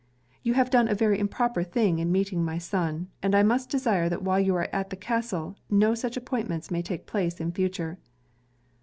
You have done a very improper thing in meeting my son; and I must desire that while you are at the castle, no such appointments may take place in future.'